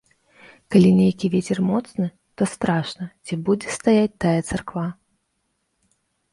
Калі нейкі вецер моцны, то страшна, ці будзе стаяць тая царква.